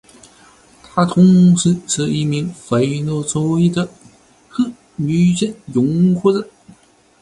他同时是一名废奴主义者和女权拥护者。